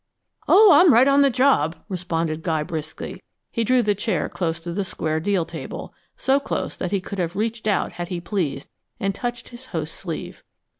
"Oh, I'm right on the job!" responded Guy briskly. He drew the chair close to the square deal table, so close that he could have reached out, had he pleased, and touched his host's sleeve.